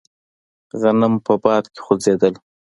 غنم په باد کې خوځېدل.